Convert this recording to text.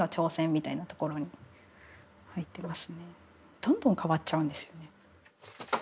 どんどん変わっちゃうんですよね。